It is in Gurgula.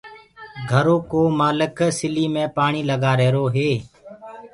گھرو ڪو مآلڪ سليٚ مي پآڻيٚ لگآهيرو هي